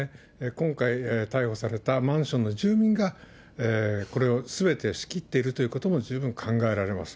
今回逮捕されたマンションの住人が、これをすべて仕切っているということも十分考えられます。